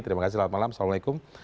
terima kasih selamat malam assalamualaikum